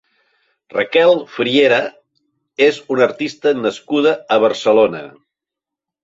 Raquel Friera és una artista nascuda a Barcelona.